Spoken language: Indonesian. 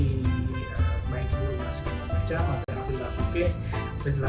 baik dulu masukin ke macam